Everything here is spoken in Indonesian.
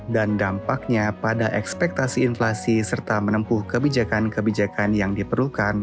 dan dampaknya pada ekspektasi inflasi serta menempuh kebijakan kebijakan yang diperlukan